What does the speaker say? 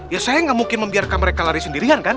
ya saya nggak mungkin membiarkan mereka lari sendirian kan